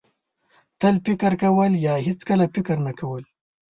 تل فکر کول یا هېڅکله فکر نه کول.